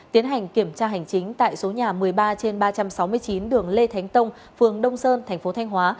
tiến hành kiểm tra hành chính tại số nhà một mươi ba trên ba trăm sáu mươi chín đường lê thánh tông phường đông sơn thành phố thanh hóa